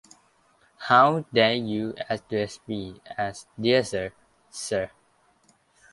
How dare you address me as 'dear Sir', Sir?